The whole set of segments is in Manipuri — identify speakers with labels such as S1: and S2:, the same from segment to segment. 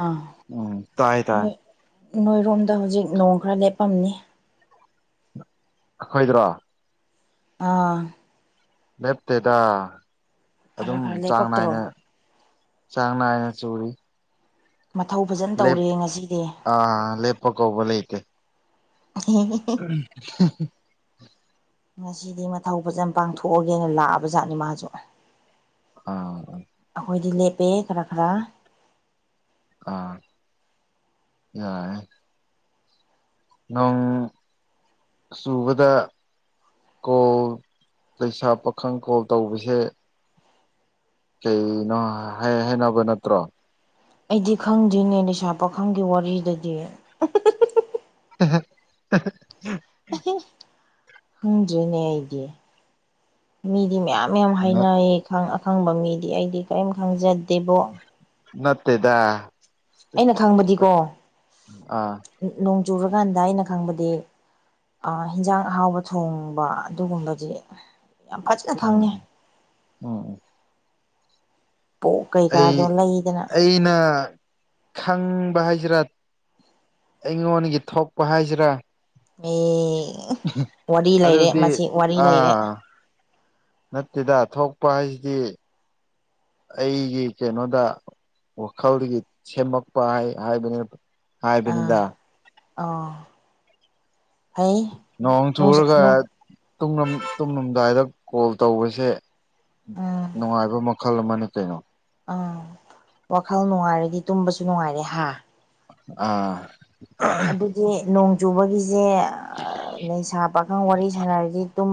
S1: ꯑꯥ
S2: ꯎꯝ ꯇꯥꯏ ꯇꯥꯏ
S1: ꯅꯣꯏ ꯅꯣꯏꯔꯣꯝꯗ ꯍꯧꯖꯤꯛ ꯅꯣꯡ ꯈꯔ ꯂꯦꯞꯄꯝꯅꯤ
S2: ꯑꯩꯈꯣꯏꯗ꯭ꯔꯣ
S1: ꯑꯥ
S2: ꯂꯦꯞꯇꯦꯗ
S1: ꯈꯔ
S2: ꯑꯗꯨꯝ
S1: ꯈꯔ
S2: ꯆꯥꯡ
S1: ꯂꯦꯞꯄꯛꯇ꯭ꯔꯣ
S2: ꯅꯥꯏꯅ ꯆꯥꯡꯅꯥ ꯍꯥꯏꯅꯦ ꯆꯣꯔꯤ
S1: ꯃꯊꯧ ꯐꯖꯅ
S2: ꯂꯦ
S1: ꯇꯧꯔꯦ ꯉꯁꯤꯗꯤ
S2: ꯑꯥ ꯂꯦꯄ ꯀꯕ ꯂꯩꯇꯦ ꯎꯝ
S1: ꯉꯁꯤꯗꯤ ꯃꯊꯧ ꯐꯖꯅ ꯄꯥꯡꯊꯣꯛꯑꯒꯦꯅ ꯂꯥꯛꯑꯕꯖꯥꯠꯅꯤ ꯃꯥꯁꯨ
S2: ꯑꯥ
S1: ꯑꯩꯈꯣꯏꯗꯤ ꯂꯦꯞꯄꯦ ꯈꯔ ꯈꯔ
S2: ꯑꯥ ꯌꯥ ꯅꯣꯡ ꯆꯨꯕꯗ ꯀꯣꯜ ꯂꯩꯁꯥ ꯄꯥꯈꯪ ꯀꯣꯜ ꯇꯧꯕꯁꯦ ꯀꯩꯅꯣ ꯍꯥꯏꯅꯕ ꯅꯠꯇ꯭ꯔꯣ
S1: ꯑꯩꯗꯤ ꯈꯪꯗ꯭ꯣꯏꯅꯦ ꯅꯤꯁꯥ ꯄꯥꯈꯪꯒꯤ ꯋꯥꯔꯤꯗꯗꯤ
S2: ꯍ
S1: ꯍꯪꯗ꯭ꯔꯤꯅꯦ ꯑꯩꯗꯤ ꯃꯤꯗꯤ ꯃꯌꯥꯝ ꯌꯥꯝ
S2: ꯅꯠ
S1: ꯍꯥꯏꯅꯩꯌꯦ ꯑꯈꯪꯕ ꯃꯤꯗꯤ ꯑꯩꯗꯤ ꯀꯔꯤꯝ ꯈꯪꯖꯗꯦꯕꯣ
S2: ꯅꯠꯇꯦꯗ
S1: ꯑꯩꯅ ꯈꯪꯕꯗꯤꯀꯣ
S2: ꯑꯥ
S1: ꯅꯣꯡ ꯆꯨꯔꯀꯥꯟꯗ ꯑꯩꯅ ꯈꯪꯕꯗꯤ ꯍꯤꯟꯖꯥꯡ ꯑꯍꯥꯎꯕ ꯊꯣꯡꯕ ꯑꯗꯨꯒꯨꯝꯕꯗꯤ ꯌꯥꯝ ꯐꯖꯅ
S2: ꯎꯝ
S1: ꯈꯪꯉꯦ
S2: ꯎꯝ ꯎ
S1: ꯄꯣꯛ
S2: ꯑꯩ
S1: ꯀꯩꯀꯥꯗꯣ ꯂꯩꯗꯅ
S2: ꯑꯩꯅ ꯈꯪ ꯍꯥꯏꯁꯤꯔꯥ ꯑꯩꯉꯣꯟꯗꯒꯤ ꯊꯣꯛꯄ ꯍꯥꯏꯁꯤꯔꯥ
S1: ꯃꯤ ꯋꯥꯔꯤ ꯂꯩꯔꯦ
S2: ꯑꯗꯨꯗꯤ
S1: ꯃꯁꯤ ꯋꯥꯔꯤ ꯂꯩꯔꯦ
S2: ꯑꯥ ꯅꯠꯇꯦꯗ ꯊꯣꯛꯄ ꯍꯥꯏꯁꯤꯗꯤ ꯑꯩꯒꯤ ꯀꯩꯅꯣꯗ ꯋꯥꯈꯜꯗꯒꯤ ꯁꯦꯝꯃꯛꯄꯕꯅꯤ
S1: ꯑꯥ
S2: ꯍꯥꯏꯕꯅꯤꯗ
S1: ꯑꯥ ꯐꯩ
S2: ꯅꯣꯡ ꯆꯨꯔꯒ
S1: ꯎꯝ
S2: ꯇ ꯇꯨꯝꯂꯝꯗꯥꯏꯗ ꯀꯣꯜ ꯇꯧꯕꯁꯦ ꯅꯨꯡꯉꯥꯏꯕ ꯃꯈꯜ ꯑꯃꯅ ꯀꯩꯅꯣ
S1: ꯑꯥ ꯋꯥꯈꯜ ꯅꯨꯡꯉꯥꯏꯔꯗꯤ ꯇꯨꯝꯕꯁꯨ ꯅꯨꯡꯉꯥꯏꯔꯦ ꯍꯥ
S2: ꯑꯥ
S1: ꯑꯗꯨꯗꯤ ꯅꯣꯡ ꯆꯨꯕꯒꯤꯁꯦ ꯅꯁꯥ ꯄꯥꯈꯪ ꯋꯥꯔꯤ ꯁꯥꯟꯅꯔꯗꯤ ꯇꯨꯝ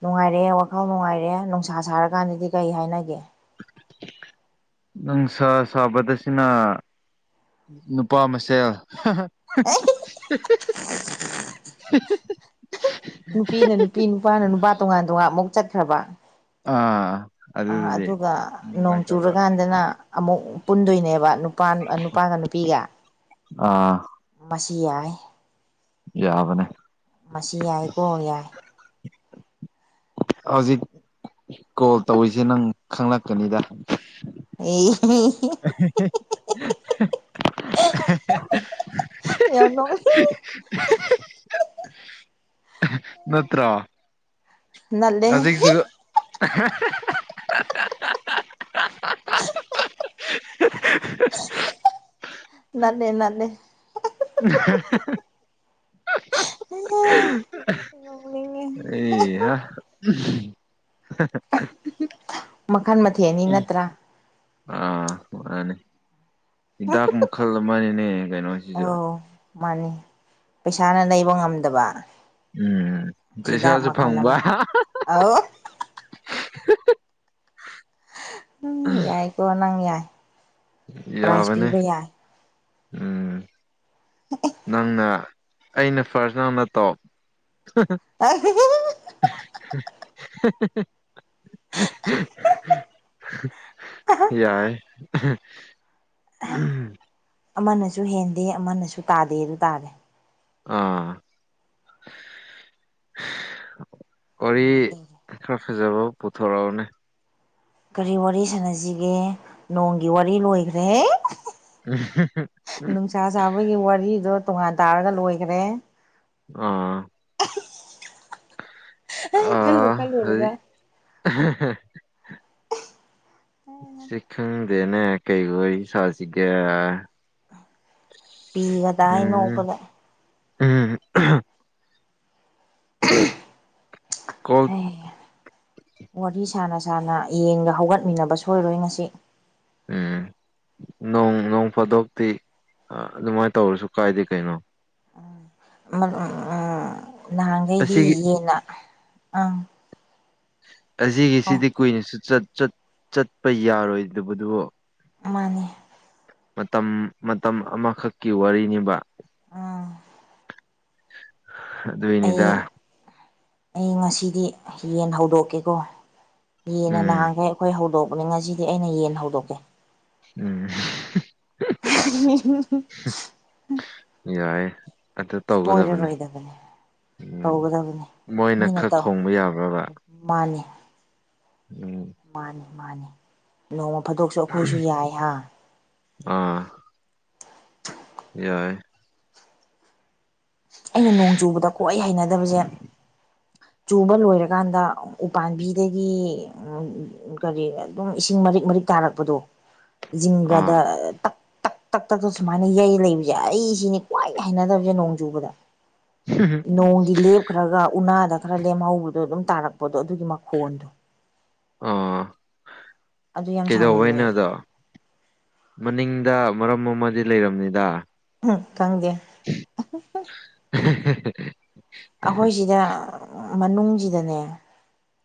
S1: ꯅꯨꯡꯉꯥꯏꯔꯛꯑꯦ ꯋꯥꯈꯜ ꯅꯨꯡꯉꯥꯏꯔꯑꯦ ꯅꯨꯡꯁꯥ ꯁꯥꯔꯀꯥꯟꯗꯗꯤ ꯀꯩ ꯍꯥꯏꯅꯒꯦ [inaudible]
S2: ꯅꯨꯡꯁꯥ ꯁꯥꯕꯗꯁꯤꯅ ꯅꯨꯄꯥ ꯃꯁꯦꯜ [inaudible]
S1: ꯅꯨꯄꯤꯅ ꯅꯨꯄꯤ ꯅꯨꯄꯥꯅ ꯅꯨꯄꯥ ꯇꯣꯉꯥꯟ ꯇꯣꯉꯥꯟ ꯑꯃꯨꯛ ꯆꯠꯈ꯭ꯔꯕ
S2: ꯑꯥ ꯑꯗꯨꯗꯨꯗꯤ
S1: ꯑꯗꯨꯒ ꯅꯣꯡ
S2: ꯑꯗꯨꯃꯥꯏꯅ ꯇꯧꯕ
S1: ꯆꯨꯔꯀꯥꯟꯗꯅ ꯑꯃꯨꯛ ꯄꯨꯟꯗꯣꯏꯅꯦꯕ ꯅꯨꯄꯥ ꯅꯨꯄꯥꯒ ꯅꯨꯄꯤꯒ
S2: ꯑꯥ
S1: ꯁꯤ ꯌꯥꯏ
S2: ꯌꯥꯕꯅꯦ
S1: ꯃꯁꯤ ꯌꯥꯏꯀꯣ ꯌꯥꯏ
S2: ꯍꯧꯖꯤꯛ ꯀꯣꯜ ꯇꯧꯔꯤꯁꯦ ꯅꯪ ꯈꯪꯂꯛꯀꯅꯤꯗ
S1: ꯑꯩ
S2: [unintelligible]
S1: ꯌꯎꯅꯣ
S2: ꯅꯠꯇ꯭ꯔꯥ
S1: ꯅꯂꯦ
S2: [inaudible]
S1: ꯅꯅꯦꯦ ꯅ ꯂꯩꯦ
S2: [unintelligible]
S1: ꯅꯣꯛꯅꯤꯡꯉꯦ
S2: ꯑꯦꯍꯥ [inaudible]
S1: ꯃꯈꯜ ꯃꯊꯦꯜꯅꯤ ꯅꯠꯇ꯭ꯔꯥ
S2: ꯑꯥ ꯃꯥꯅꯤ ꯍꯤꯗꯥꯛ ꯃꯈꯜ ꯑꯃꯅꯤꯅꯦ ꯀꯩꯅꯣꯁꯤꯁꯨ
S1: ꯑꯧ ꯃꯥꯅꯤ ꯄꯩꯁꯥꯅ ꯂꯩꯕ ꯉꯝꯗꯕ
S2: ꯎꯝ
S1: ꯍꯤꯗꯥꯛ
S2: ꯄꯩꯁꯥꯖꯁꯨ
S1: ꯃꯈꯜ
S2: ꯐꯪꯕ
S1: ꯑꯃꯅꯤ
S2: [inaudible]
S1: ꯑꯧ ꯌꯥꯏꯀꯣꯅꯪ ꯌꯥꯏ ꯄ꯭ꯔꯥꯏꯖ
S2: ꯌꯥꯕꯅꯦ
S1: ꯄꯤꯕ ꯌꯥꯏ
S2: ꯎꯝ ꯅꯪꯅ ꯑꯩꯅ ꯐꯥꯔꯁ ꯅꯪꯅ ꯇꯣꯞ [unintelligible] [unintelligible] ꯌꯥꯏ
S1: ꯑꯃꯅꯁꯨ ꯍꯦꯟꯗꯦ ꯑꯃꯅꯁꯨ ꯇꯥꯗꯦ ꯑꯗꯨ ꯇꯥꯔꯦ
S2: ꯑꯥ
S1: ꯅꯨꯡꯉꯥꯏꯗꯧꯔꯦ
S2: ꯋꯥꯔꯤꯔ ꯈꯖꯕ ꯄꯣꯊꯔꯎꯅꯦ
S1: ꯀꯔꯤ ꯋꯥꯔꯤ ꯁꯥꯟꯅꯁꯤꯒꯦ ꯅꯣꯡꯒꯤ ꯋꯥꯔꯤ ꯂꯣꯏꯈ꯭ꯔꯦꯍ ꯅꯨꯡꯁꯥ ꯁꯥꯕꯒꯤ ꯋꯥꯔꯤꯗꯣ ꯇꯣꯉꯥꯟ ꯇꯥꯔꯒ ꯂꯣꯏꯈ꯭ꯔꯦ
S2: ꯑꯥ ꯑꯥ ꯍꯧꯗꯤ
S1: ꯂꯣꯏꯔꯒ
S2: ꯁꯤ ꯈꯪꯗꯦꯅꯦ ꯀꯩ ꯋꯥꯔꯤ ꯁꯥꯁꯤꯒꯦ
S1: ꯄꯤꯒꯗꯥ
S2: ꯎꯝ
S1: ꯍꯥꯏꯅꯣꯧꯕꯅꯦ
S2: ꯎꯝ ꯀꯣꯜ
S1: ꯑꯩ ꯋꯥꯔꯤ ꯁꯥꯅ ꯁꯥꯥꯟꯅ ꯌꯦꯡꯒ ꯍꯧꯒꯠꯃꯤꯟꯅꯕ ꯁꯣꯏꯔꯣꯏ ꯉꯁꯤ [inaudible]
S2: ꯣꯡ ꯅꯣꯡ ꯐꯥꯗꯣꯛꯇꯤ ꯑꯗꯨꯃꯥꯏꯅ ꯇꯧꯔꯁꯨ ꯀꯥꯏꯗꯦ ꯀꯩꯅꯣ
S1: ꯎꯝ ꯅꯍꯥꯟꯈꯩꯗꯤ
S2: ꯑꯁꯤꯒꯤ
S1: ꯌꯦꯅ ꯑꯪ ꯍꯣꯏ
S2: ꯑꯁꯤꯒꯤꯁꯤꯗꯤ ꯀꯨꯏꯅꯁꯨ ꯆꯠꯄ ꯌꯥꯔꯣꯏꯗꯕꯗꯨ
S1: ꯃꯥꯅꯦ
S2: ꯃꯇꯝ ꯃꯇꯝ ꯑꯃꯈꯛꯀꯤ ꯋꯥꯔꯤꯅꯤꯕ
S1: ꯎꯝ
S2: ꯑꯗꯅꯤꯗ
S1: ꯑꯩ ꯑꯩ ꯉꯁꯤꯗꯤ ꯌꯦꯟ ꯍꯧꯗꯣꯛꯀꯦꯀꯣ ꯌꯦꯟꯅ
S2: ꯎꯝ
S1: ꯅꯍꯥꯟꯈꯦ ꯑꯩꯈꯣꯏ ꯍꯧꯗꯣꯛ ꯄꯨꯅꯤꯡ ꯉꯁꯤꯗꯤ ꯑꯩꯅ ꯌꯦꯟ ꯍꯧꯗꯣꯛꯀꯦ
S2: ꯎꯝ
S1: [inaudible]
S2: ꯌꯥꯏ ꯑꯗꯨ ꯇꯧꯒꯗꯕꯅꯦ
S1: ꯁꯣꯏꯔꯔꯣꯏꯗꯕꯅꯦ
S2: ꯎꯝ
S1: ꯇꯧꯒꯗꯕꯅꯤ
S2: ꯃꯣꯏꯅ
S1: ꯃꯤꯅ
S2: ꯈꯔ
S1: ꯇꯧ
S2: ꯈꯣꯡꯕ ꯌꯥꯕ꯭ꯔꯕ
S1: ꯃꯥꯅꯤ
S2: ꯎꯝ
S1: ꯃꯥꯅꯦ ꯃꯥꯅꯤ ꯅꯣꯡ ꯐꯥꯗꯣꯛꯁꯨ ꯑꯩꯈꯣꯏꯁꯨ ꯌꯥꯏ ꯍꯥ
S2: ꯑꯥ ꯌꯥꯏ
S1: ꯑꯩꯅ ꯅꯣꯡ ꯆꯨꯕꯗ ꯈ꯭ꯋꯥꯍ ꯍꯩꯅꯗꯕꯁꯦ ꯆꯨꯕ ꯂꯣꯏꯔꯀꯥꯟꯗ ꯎꯄꯥꯝꯕꯤꯗꯒꯤ ꯀꯔꯤ ꯑꯗꯨꯝ ꯏꯁꯤꯡ ꯃꯔꯤꯛ ꯃꯔꯤꯛ ꯇꯥꯔꯛꯄꯗꯣ ꯖꯤꯤꯡꯒꯥꯗ
S2: ꯑꯥ
S1: ꯇꯛ ꯇꯛ ꯇꯛꯛꯇ ꯁꯨꯃꯥꯏꯅ ꯌꯩ ꯂꯩꯕꯁꯦ ꯑꯩ ꯁꯤꯅꯤ ꯈ꯭ꯋꯥꯏ ꯍꯥꯏꯩꯅꯅꯗꯕꯁꯦ ꯅꯣꯡ ꯆꯨꯕꯗ ꯅꯣꯡꯒꯤ ꯂꯦꯞꯈ꯭ꯔꯒ ꯎꯅꯥꯗ ꯈꯔ ꯂꯦꯝꯍꯧꯕꯗꯣ ꯑꯗꯨꯝ ꯇꯥꯔꯛꯄꯗꯣ ꯑꯗꯨꯒꯤ ꯃꯈꯣꯟꯗꯣ
S2: ꯑꯥ
S1: ꯑꯗꯨ ꯌꯥꯝ
S2: ꯀꯩꯗꯩꯅꯣ
S1: ꯁꯥꯎꯅꯤꯡꯉꯦ
S2: ꯑꯗꯣ ꯃꯅꯤꯡ ꯁꯤꯗ ꯃꯔꯝ ꯑꯃꯗꯤ ꯂꯩꯔꯕꯝꯅꯤꯗ
S1: ꯎꯝ ꯀꯪꯗꯌꯥ ꯑꯩꯈꯣꯏ ꯁꯤꯗ ꯃꯅꯨꯡꯁꯤꯗꯅꯦ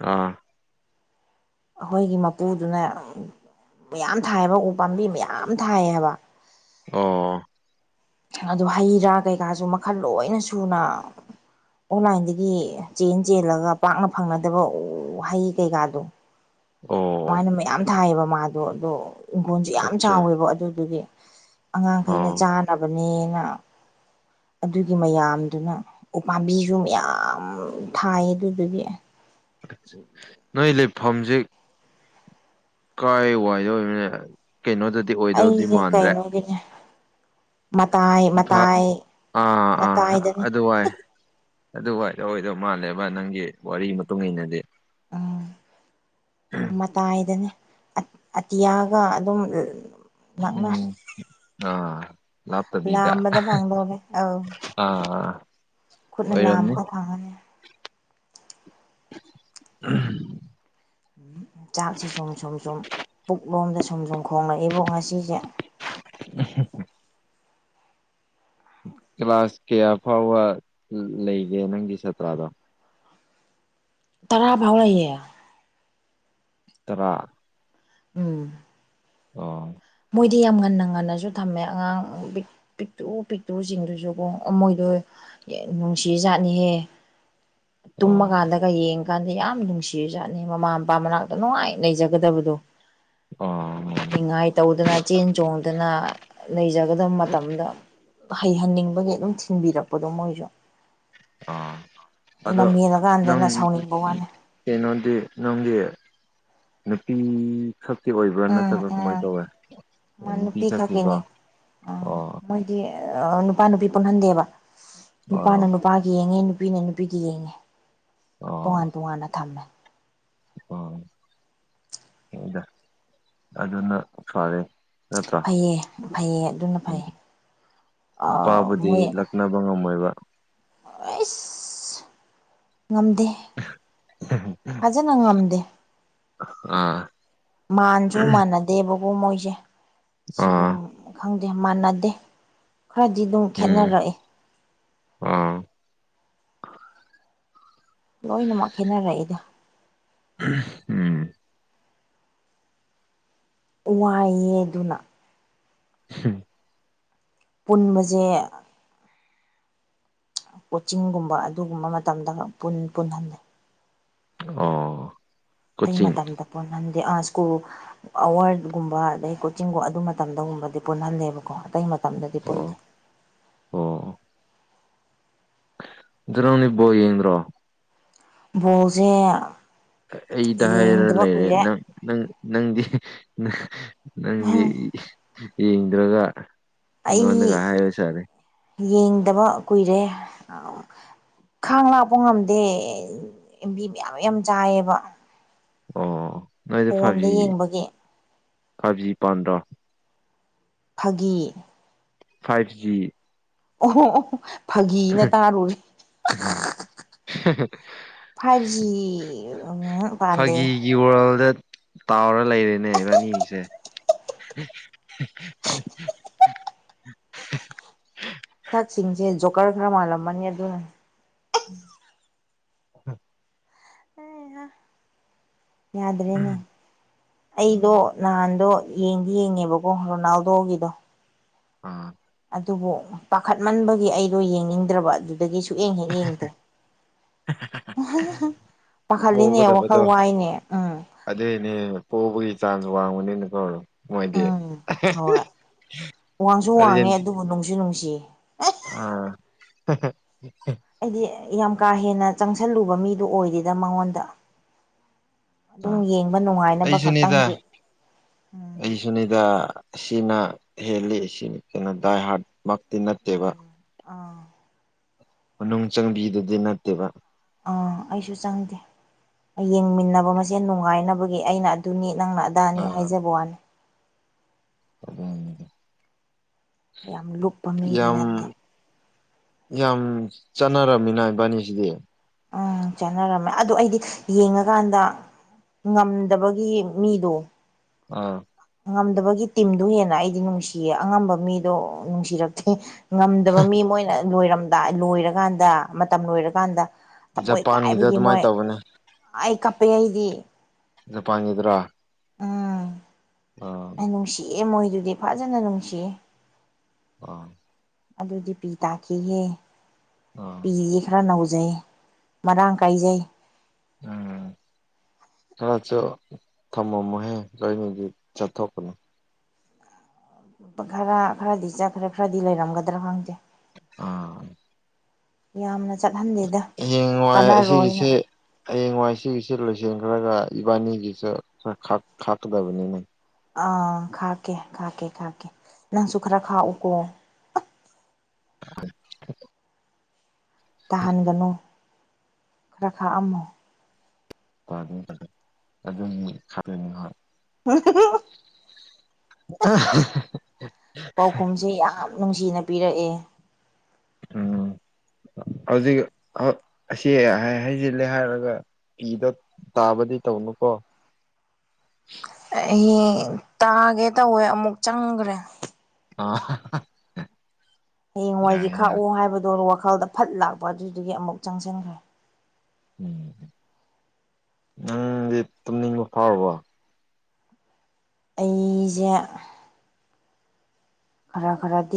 S2: ꯑꯥ
S1: ꯑꯩꯈꯣꯏꯒꯤ ꯃꯄꯨꯗꯨꯅ ꯃꯌꯥꯝ ꯊꯥꯏꯑꯕ ꯎ ꯄꯥꯝꯕꯤ ꯃꯌꯥꯝ ꯊꯥꯏꯌꯦꯕ
S2: ꯑꯣ
S1: ꯑꯗꯨ ꯍꯩ ꯔꯥ ꯀꯩꯀꯥꯁꯨ ꯃꯈꯜ ꯂꯣꯏꯅ ꯁꯨꯅ ꯑꯣꯟꯂꯥꯏꯟꯗꯒꯤ ꯆꯦꯟ ꯆꯦꯜꯂꯒ ꯄꯥꯛꯅ ꯐꯪꯅꯗꯕ ꯋꯥꯍꯩ ꯀꯩꯀꯥꯗꯣ
S2: ꯑꯣ
S1: ꯑꯗꯨꯥꯏꯅ ꯃꯌꯥꯝ ꯊꯥꯏꯑꯕ ꯃꯥꯗꯣ ꯑꯗꯣ ꯏꯪꯈꯣꯜꯁꯦ ꯌꯥꯝ
S2: ꯑꯠꯆꯥ
S1: ꯆꯥꯎꯋꯦꯕ ꯑꯗꯨꯗꯨꯒꯤ ꯑꯉꯥꯡꯈꯩꯅ
S2: ꯑꯣ
S1: ꯆꯥꯅꯕꯅꯦꯅ ꯑꯗꯨꯒꯤ ꯃꯌꯥꯝꯗꯨꯅ ꯎꯄꯥꯝꯕꯤꯁꯨ ꯃꯌꯥꯝ ꯊꯥꯏ ꯑꯗꯨꯗꯨꯒꯤ
S2: ꯅꯣꯏ ꯂꯩꯐꯝꯁꯤ ꯀꯥꯏ ꯋꯥꯏꯗꯧꯕꯅ ꯀꯩꯅꯣꯗꯗꯤ ꯑꯣꯏꯗꯧꯗꯤ
S1: ꯑꯩꯁꯦ
S2: ꯃꯥꯟꯗ꯭ꯔꯦ
S1: ꯀꯩꯅꯣꯒꯤꯅꯦ ꯃꯇꯥꯏ ꯃꯇꯥꯏ
S2: ꯑꯥ ꯑꯥ
S1: ꯃꯇꯥꯏꯗꯅꯤ
S2: ꯑꯗꯨꯋꯥꯏ ꯑꯗꯨ ꯋꯥꯏꯗ ꯑꯣꯏꯗꯧ ꯃꯥꯜꯂꯦꯕ ꯅꯪꯒꯤ ꯋꯥꯔꯤꯒꯤ ꯃꯇꯨꯡ ꯏꯟꯅꯗꯤ
S1: ꯎꯝ ꯃꯇꯥꯏꯗꯅꯦ ꯑꯇꯤꯌꯥꯒ ꯑꯗꯨꯝ
S2: ꯎꯝ ꯑ
S1: ꯂ ꯑꯥꯟꯕꯗ ꯐꯥꯡꯗꯣꯔꯦ ꯑ
S2: ꯑꯥ
S1: ꯈꯨꯠꯅ ꯂꯥꯝꯕꯗ ꯐꯪꯉꯅꯤ
S2: ꯎꯝ
S1: ꯎ ꯆꯥꯛꯁꯤ ꯁꯨꯝ ꯁꯨꯝ ꯁꯨꯝ ꯄꯨꯛꯂꯣꯝꯗ ꯁꯨꯝ ꯁꯨꯝꯨꯝ ꯈꯣꯝꯡꯂꯛꯏꯕꯨꯡ ꯉꯁꯤꯁꯦ
S2: ꯀ꯭ꯂꯥꯁ ꯀꯌꯥ ꯐꯥꯎꯕ ꯂꯩꯒꯦ ꯅꯪꯒꯤ ꯁꯥꯇ꯭ꯔꯥꯗꯣ
S1: ꯇꯔꯥ ꯐꯥꯎꯔꯌꯦ
S2: ꯇꯔꯥ
S1: ꯎꯝ
S2: ꯑꯣ
S1: ꯃꯣꯏꯗꯤ ꯌꯥꯝ ꯉꯟꯅ ꯉꯟꯅꯁꯨ ꯊꯝꯃꯦ ꯑꯉꯥꯡ ꯄꯤꯛꯇꯨ ꯄꯤꯛꯇꯨꯁꯤꯡꯗꯨꯁꯨꯀꯣ ꯃꯣꯏꯗꯣ ꯅꯨꯡꯁꯤꯖꯥꯠꯅꯤꯍꯦ
S2: ꯑꯣ
S1: ꯇꯨꯝꯃꯀꯥꯟꯗꯒ ꯌꯦꯡ ꯀꯥꯟꯗꯤ ꯌꯥꯝ ꯅꯨꯡꯁꯤꯔꯖꯥꯠꯅꯤ ꯃꯃꯥ ꯃꯄꯥ ꯃꯅꯥꯛꯇ ꯅꯨꯡꯉꯥꯏ ꯂꯩꯖꯒꯗꯕꯗꯣ
S2: ꯑ
S1: ꯅꯤꯡꯉꯥꯏ ꯇꯧꯗꯅ ꯆꯦꯟ ꯆꯣꯡꯗꯅ ꯂꯩꯖꯒꯗꯕ ꯃꯇꯝꯗ ꯍꯩꯍꯟꯅꯤꯡꯕꯒꯤ ꯑꯗꯨꯝ ꯊꯤꯟꯕꯤꯔꯛꯄꯗꯣ ꯃꯣꯏꯁꯨ
S2: ꯑ ꯑꯗꯣ ꯅꯪ
S1: ꯂꯝꯍꯦꯜꯂꯀꯥꯟꯗꯅ ꯁꯥꯎꯅꯤꯡꯕ ꯋꯥꯅꯤ
S2: ꯀꯩꯅꯣꯗꯤ ꯅꯪꯒꯤ ꯅꯨꯄꯤ ꯈꯛꯇꯤ ꯑꯣꯏꯕ꯭ꯔꯥ
S1: ꯎꯝ
S2: ꯅꯠꯇ꯭ꯔꯒ ꯀꯃꯥꯏꯅ
S1: ꯎꯝ
S2: ꯇꯧꯋꯦ
S1: ꯃꯥ ꯅꯨꯄꯤ ꯈꯛꯀꯤꯅꯦ ꯑ
S2: ꯑꯣ
S1: ꯃꯣꯏꯗꯤ ꯑ ꯅꯨꯄꯥ ꯅꯨꯄꯤ ꯄꯨꯟꯍꯟꯗꯦꯕ
S2: ꯑꯣ
S1: ꯅꯨꯄꯥꯅ ꯅꯨꯄꯥꯒꯤ ꯌꯦꯡꯉꯦ ꯅꯨꯄꯤꯅ ꯅꯨꯄꯤꯗꯤ ꯌꯦꯡꯉꯦ
S2: ꯑꯣ
S1: ꯇꯣꯉꯥꯟ ꯇꯣꯉꯥꯟꯅ ꯊꯝꯃꯦ
S2: ꯑꯣꯗ ꯑꯗꯨꯅ ꯐꯔꯦ ꯅꯠꯇ꯭ꯔꯥ
S1: ꯐꯩꯌꯦ ꯐꯩꯌꯦ ꯑꯗꯨꯅ
S2: ꯎꯝ
S1: ꯐꯩ
S2: ꯅꯨꯄꯥꯕꯨꯗꯤ
S1: ꯃꯣꯏꯣꯏ
S2: ꯂꯛꯅꯕ ꯉꯝꯃꯣꯏꯕ
S1: ꯑꯁ ꯉꯝꯗꯦ ꯐꯖꯅ ꯉꯝꯗꯦ
S2: ꯑꯥ
S1: ꯃꯥꯟꯁꯨ ꯃꯥꯟꯅꯗꯦꯕꯀꯣ ꯃꯣꯏꯁꯦ
S2: ꯑꯥ
S1: ꯁꯤꯒꯨꯝꯪ ꯦ ꯃꯥꯟꯅꯗꯦ ꯈꯔꯗꯤ ꯑꯗꯨꯝ
S2: ꯎꯝ
S1: ꯈꯦꯠꯅꯔꯛꯑꯦ
S2: ꯑ
S1: ꯂꯣꯏꯅꯃꯛ ꯈꯦꯠꯅꯔꯛꯏꯗ
S2: ꯎꯝ
S1: ꯋꯥꯏꯑ ꯑꯗꯨꯅ
S2: ꯎꯝ
S1: ꯄꯨꯟꯕꯁꯦ ꯀꯣꯆꯤꯡꯒꯨꯝꯕ ꯑꯗꯨꯒꯨꯝꯕ ꯃꯇꯝꯗ ꯄꯨꯟꯍꯜꯂꯦ
S2: ꯑꯣ
S1: ꯑꯇꯩ
S2: ꯀꯣꯆꯤꯡ
S1: ꯃꯇꯝꯗ ꯐ ꯅꯗꯦ ꯁ꯭ꯀꯨꯜ ꯑꯋꯥꯔꯒꯨꯝꯕ ꯑꯗꯩ ꯀꯣꯆꯤꯡꯒꯨꯝꯕ ꯑꯗꯨ ꯃꯇꯝꯗꯒꯨꯝꯕꯗꯤ ꯄꯨꯟꯍꯜꯂꯦꯕꯀꯣ ꯑꯇꯩ ꯃꯐꯝꯗꯗꯤ
S2: ꯑꯣ
S1: ꯄꯨꯟꯗꯦ
S2: ꯑꯣ ꯅꯣꯅꯤꯕꯣ ꯌꯦꯡꯉ꯭ꯔꯣ
S1: ꯣꯖꯦ
S2: ꯑꯩꯗ ꯍꯥꯏꯔ ꯂꯩꯔꯦ ꯅꯪ ꯅꯪ ꯅꯪꯗꯤ ꯅꯪꯗꯤ ꯌꯦꯡꯗ꯭ꯔꯒ
S1: ꯑꯩ
S2: ꯑꯩꯉꯣꯟꯗꯒ ꯍꯥꯏꯕ ꯁꯥꯔꯦ
S1: ꯌꯦꯡꯗꯕ ꯀꯨꯏꯔꯦ ꯈꯥꯡ ꯂꯥꯛꯄ ꯉꯝꯗꯦ ꯌꯦꯝꯕꯤ ꯃꯌꯥꯝ ꯌꯥꯝ ꯆꯥꯏꯌꯦꯕ
S2: ꯑ
S1: ꯐꯣꯟꯗ ꯌꯦꯡꯕꯒꯤ
S2: ꯐꯥꯞꯖꯤ ꯄꯥꯟꯗ꯭ꯔꯣ
S1: ꯐꯥꯒꯤ
S2: ꯐꯥꯏꯚ ꯖꯤ
S1: ꯑꯣꯍꯣ ꯑꯣꯍꯣ ꯐꯥꯒꯤꯅ ꯇꯥꯔꯨꯔꯔꯤ
S2: [inaudible]
S1: ꯐꯥꯏꯚꯖꯤ ꯎ ꯄꯥꯟꯗꯦ
S2: ꯐꯥꯒꯤꯒꯤ ꯋꯥꯔꯜꯗ ꯇꯥꯎꯔ ꯂꯩꯔꯦꯅꯦ ꯏꯕꯥꯅꯤꯁꯦ [inaudible]
S1: ꯁꯛꯁꯤꯡꯁꯦ ꯖꯣꯀꯔ ꯈꯔ ꯃꯥꯜꯂꯝꯃꯅꯤ ꯑꯗꯨꯅ
S2: ꯎꯝ
S1: ꯌꯥꯗ꯭ꯔꯦꯅꯦ
S2: ꯎꯝ
S1: ꯑꯩꯗꯣ ꯅꯍꯥꯟꯗꯣ ꯌꯦꯡꯗꯤ ꯌꯦꯡꯉꯦꯕꯀꯣ ꯔꯣꯅꯥꯜꯗꯣꯒꯤꯗꯣ
S2: ꯑꯝ
S1: ꯑꯗꯨꯕꯨ ꯄꯥꯈꯠꯃꯟꯕꯒꯤ ꯑꯩꯗꯣ ꯌꯦꯡꯅꯤꯡꯗ꯭ꯔꯕ ꯑꯗꯨꯗꯒꯤ ꯁꯨꯛꯑꯡ ꯍꯦꯛ ꯌꯦꯡꯗ꯭ꯔꯦ ꯃꯈꯥꯈꯥꯂꯤꯅꯦ
S2: ꯄꯣꯒꯗꯕꯗꯣ
S1: ꯋꯥꯈꯜ ꯋꯥꯍꯏꯅꯦ ꯎꯝ
S2: ꯄꯕꯒꯤ ꯆꯥꯟꯁ ꯋꯥꯡꯕꯅꯤꯅ ꯀꯣ ꯃꯣꯏꯗꯤ
S1: ꯎꯝ ꯍꯣꯏ ꯋꯥꯡꯁꯨ ꯋꯥꯡꯉꯦ
S2: ꯑꯗꯨꯔ
S1: ꯑꯗꯨꯕꯨ ꯅꯨꯡꯁꯨ ꯅꯨꯡꯁꯤꯌꯦ
S2: ꯑꯥ
S1: ꯑꯩꯗꯤ ꯌꯥꯝ ꯀꯥ ꯍꯦꯟꯅ ꯆꯪꯁꯜꯂꯨꯕ ꯃꯤꯗꯨ ꯑꯣꯏꯔꯤꯦꯗ ꯃꯉꯣꯟꯗ
S2: ꯑ
S1: ꯑꯗꯨꯝ ꯌꯦꯡꯕ
S2: ꯑꯩ
S1: ꯅꯨꯡꯉꯥꯏꯅꯕ
S2: ꯁꯅꯤꯗ
S1: ꯈꯛꯇꯪꯒꯤ ꯎꯝ
S2: ꯑꯩ ꯁꯅꯤꯗ ꯁꯤꯅ ꯍꯦꯜꯂꯤ ꯁꯤ ꯅꯠꯇꯅ ꯗꯥꯏ ꯍꯥꯔꯠꯃꯛꯇꯤ ꯅꯠꯇꯦꯕ
S1: ꯎꯝ ꯑꯥ
S2: ꯃꯅꯨꯡ ꯆꯪꯕꯤꯗꯨꯗꯤ ꯅꯠꯇꯦꯕ
S1: ꯑꯥ ꯑꯩꯁꯨ ꯆꯪꯗꯦ ꯌꯦꯡꯃꯤꯟꯅꯕ ꯃꯁꯦ ꯅꯨꯡꯉꯥꯏꯅꯕꯒꯤ ꯑꯩꯅ ꯑꯗꯨꯅꯤ ꯅꯪꯅ ꯑꯗꯥ ꯑꯅꯤ ꯍꯥꯏꯖꯕ ꯋꯥꯅꯤ
S2: ꯑ
S1: ꯌꯥꯝ ꯂꯨꯞꯄ ꯃꯤꯗꯤ ꯅꯠꯇꯦ
S2: ꯌꯥꯝ ꯆꯠꯅꯔꯝꯃꯤꯅ ꯏꯕꯥꯅꯤꯁꯤꯗꯤ
S1: ꯎꯝ ꯆꯠꯅꯔꯝꯃꯦ ꯑꯗꯨꯗꯣ ꯑꯩꯗꯤ ꯌꯦꯡꯉꯀꯥꯟꯗ ꯉꯝꯗꯕꯒꯤ ꯃꯤꯗꯣ
S2: ꯑꯥ
S1: ꯉꯝꯗꯕꯒꯤ ꯇꯤꯝꯗ ꯍꯦꯟꯅ ꯑꯩꯗꯤ ꯅꯨꯡꯁꯤꯌꯦ ꯑꯉꯝꯕ ꯃꯤꯗꯣ ꯅꯨꯡꯁꯤꯔꯛꯇꯦ ꯉꯝꯗꯕ ꯃꯤ ꯃꯣꯏꯅ ꯂꯣꯏꯔꯝꯗꯥꯏ ꯂꯣꯏꯔꯀꯥꯟꯗ ꯃꯇꯝ ꯂꯣꯏꯔꯀꯥꯟꯗ ꯊꯃꯣꯏ
S2: ꯖꯄꯥꯟꯒꯤꯗ
S1: ꯀꯥꯏꯕꯒꯤ
S2: ꯑꯗꯨꯃꯥꯏꯅ
S1: ꯃꯣꯏ
S2: ꯇꯧꯕꯅꯦ
S1: ꯑꯩ ꯀꯞꯄꯦ ꯑꯩꯗꯤ
S2: ꯑꯗꯨ ꯐꯥꯡꯉꯗ꯭ꯔꯥ
S1: ꯎꯝ ꯑꯩ ꯅꯨꯡꯁꯤꯌꯦꯦ ꯃꯣꯏꯗꯨꯗꯤ ꯐꯖꯅ ꯅꯨꯡꯁꯤꯌꯦ
S2: ꯑꯥ
S1: ꯑꯗꯨꯗꯤ ꯄꯤ ꯇꯥꯈꯤꯍꯦ
S2: ꯑꯥ
S1: ꯄꯤꯁꯤ ꯈꯔ ꯅꯧ ꯩ ꯃꯔꯥꯡ ꯀꯥꯏꯖꯩ
S2: ꯎꯝ ꯈꯔꯁꯨ ꯊꯝꯃꯝꯃꯣꯍꯦ ꯂꯣꯏꯅꯗꯤ ꯆꯠꯊꯣꯛꯄꯅꯤ
S1: ꯂ ꯈꯔ ꯈꯔꯗꯤ ꯆꯠꯈ꯭ꯔꯦ ꯈꯔꯗꯤ ꯂꯩꯔꯝꯒꯗ꯭ꯔꯥ ꯈꯪꯗꯦ
S2: ꯑꯥ
S1: ꯌꯥꯝꯅ ꯆꯠꯍꯟꯗꯦꯗ
S2: ꯌꯦꯡ ꯉꯏ
S1: ꯀꯥꯟꯅꯔꯣꯏꯅ
S2: ꯑꯁꯤꯒꯤꯁꯦ ꯍꯌꯦꯡꯋꯥꯏ ꯁꯤꯒꯤꯁꯤꯦ ꯂꯣꯏꯁꯤꯟꯈ꯭ꯔꯒ ꯏꯕꯥꯅꯤꯒꯤꯁꯨ ꯈ ꯈꯥꯛꯀꯗꯕꯅꯤꯅ
S1: ꯑꯥ ꯈꯥꯀꯦ ꯈꯥꯀꯦ ꯈꯥꯀꯦ ꯅꯪꯁꯨ ꯈꯔ ꯈꯥꯛꯎꯀꯣ
S2: ꯑ
S1: ꯇꯥꯍꯟꯒꯅꯨ ꯈꯔ ꯈꯔ ꯑꯃꯃꯨ
S2: ꯑꯗꯨꯝ ꯑꯗꯨꯝ ꯍꯣꯏ
S1: ꯑ
S2: ꯑ
S1: ꯄꯥꯎꯈꯨꯝꯁꯦ ꯌꯥꯝ ꯅꯨꯡꯁꯤꯅ ꯄꯤꯔꯛꯑꯦ
S2: ꯎꯝ ꯍꯧꯖꯤꯛ ꯑꯁꯤ ꯍꯥꯏꯖꯤꯜꯂꯦ ꯍꯥꯏꯔꯒ ꯏꯗ ꯇꯥꯕꯗꯤ ꯇꯧꯅꯨꯀꯣ
S1: ꯇꯥꯒꯦ ꯇꯧꯋꯦ ꯑꯃꯨꯛ ꯆꯪꯈ꯭ꯔꯦ
S2: ꯑ
S1: ꯍꯌꯦꯡꯋꯥꯏꯒꯤ ꯈꯥꯛꯎ ꯍꯥꯏꯕꯗꯣ ꯋꯥꯈꯜꯗ ꯐꯠ ꯂꯥꯛꯄ ꯑꯗꯨꯏꯗꯨꯒꯤ ꯑꯃꯨꯛ ꯆꯪꯁꯤꯟꯈ꯭ꯔꯦ
S2: ꯎꯝ ꯎꯪꯗꯤ ꯇꯨꯝꯅꯤꯡꯕ ꯐꯥꯎꯔꯕ
S1: ꯑꯩꯁꯦ ꯈꯔ ꯈꯔꯗꯤ